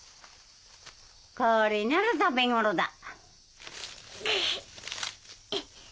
これなら食べ頃だ。